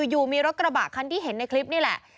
อยู่มีรถกระบะคันที่เห็นในคลิปนี่แหละ